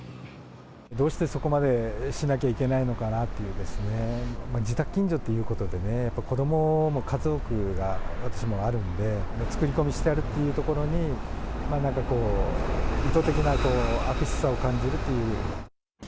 どうしてそこまでしなきゃいけないのかなっていうですね、自宅近所ということで、子どもも、家族が私もあるんで、作り込みしてあるというところに、なんかこう、意図的な悪質さを感じるっていう。